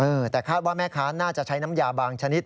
แต่คาดว่าแม่ค้าน่าจะใช้น้ำยาบางชนิด